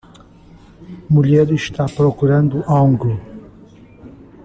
Mulher está procurando algo.